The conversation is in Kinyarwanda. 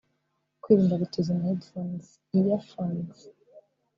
Kwirinda gutizanya headphones/earphones